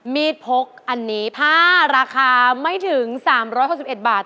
มีดพกอันนี้ผ้าราคาไม่ถึง๓๖๑บาท